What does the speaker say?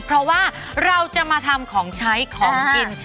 เพราะว่าเราจะมาทำของใช้ของกิน